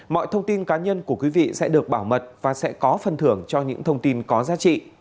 mọi thông tin cá nhân của quý vị sẽ được bảo mật và sẽ có phần thưởng cho những thông tin có giá trị